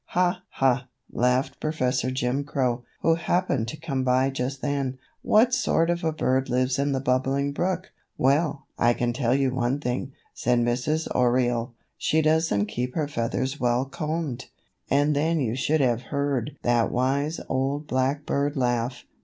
"Ha, ha!" laughed Professor Jim Crow, who happened to come by just then. "What sort of a bird lives in the Bubbling Brook?" "Well, I can tell you one thing," said Mrs. Oriole, "she doesn't keep her feathers well combed." And then you should have heard that wise old blackbird laugh.